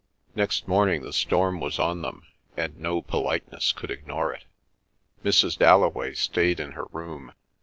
Next morning the storm was on them, and no politeness could ignore it. Mrs. Dalloway stayed in her room.